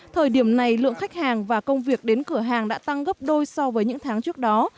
thời điểm này lượng khách hàng và công việc đến cửa hàng đã tăng gấp đôi so với những tháng trước đó